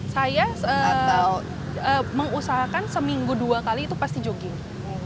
saya mengusahakan seminggu dua kali itu pasti jogging